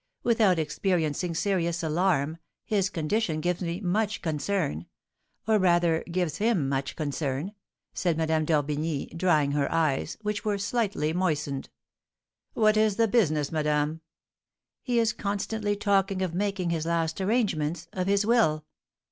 Without experiencing serious alarm, his condition gives me much concern, or rather, gives him much concern," said Madame d'Orbigny, drying her eyes, which were slightly moistened. "What is the business, madame?" "He is constantly talking of making his last arrangements, of his will."